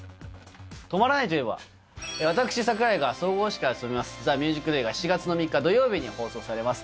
止まらないといえば、私、櫻井が総合司会を務めますＴＨＥＭＵＳＩＣＤＡＹが７月の３日土曜日に放送されます。